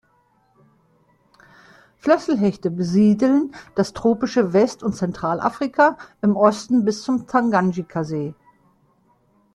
Flösselhechte besiedeln das tropische West- und Zentralafrika, im Osten bis zum Tanganjikasee.